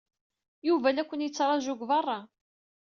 Yuba la ken-yettṛaju deg beṛṛa.